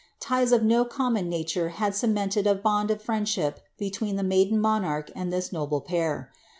Ties of no common nature had cemented a bond of friendship between the maiden monarch and this noble pair.